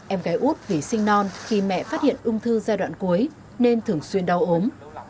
em gái út vì sinh non khi mẹ phát hiện ung thư giai đoạn cuối nên thường xuyên đau ốm